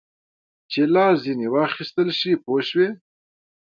چې لاس ځینې واخیستل شي پوه شوې!.